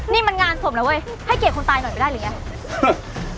นี่มันงานของผมละเว้ยให้เกรดคนตายหน่อยไปได้หรือไง